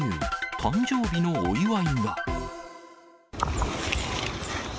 誕生日のお祝いが。